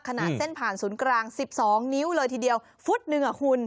ขนาดเส้นผ่านศูนย์กลาง๑๒นิ้วเลยทีเดียวฟุตหนึ่งอ่ะคุณ